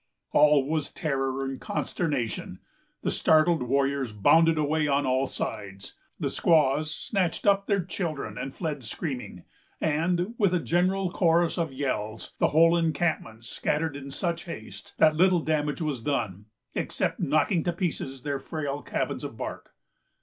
All was terror and consternation. The startled warriors bounded away on all sides; the squaws snatched up their children, and fled screaming; and, with a general chorus of yells, the whole encampment scattered in such haste, that little damage was done, except knocking to pieces their frail cabins of bark.